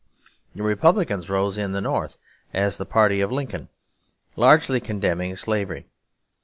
The Republicans rose in the North as the party of Lincoln, largely condemning slavery.